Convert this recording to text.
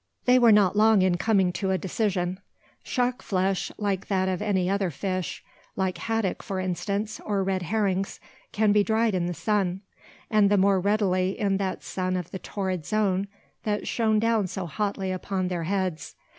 They were not long in coming to a decision. Shark flesh, like that of any other fish like haddock, for instance, or red herrings can be dried in the sun; and the more readily in that sun of the torrid zone that shone down so hotly upon their heads.